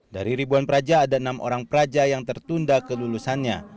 dari ribuan peraja ada enam orang peraja yang tertunda kelulusannya